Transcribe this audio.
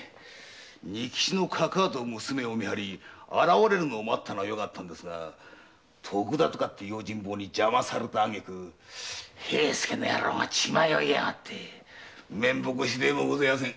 仁吉の家族を見張り現れるのを待ったのはよかったんですが徳田って用心棒に邪魔された挙句平助が血迷いやがって面目しだいもこざいません。